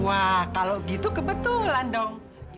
wah kalau gitu kebetulan dong